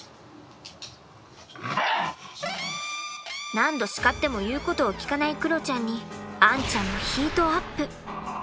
何度叱っても言うことを聞かないクロちゃんにアンちゃんもヒートアップ。